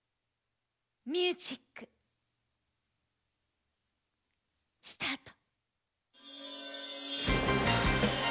ミュージックスタート！